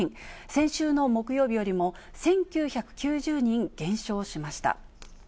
先週の木曜日よりも１９９０人減少しました。